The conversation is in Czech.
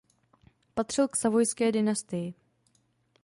Patřil k Savojské dynastii.